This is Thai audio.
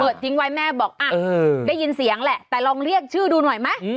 ทิ้งไว้แม่บอกอ่ะได้ยินเสียงแหละแต่ลองเรียกชื่อดูหน่อยไหม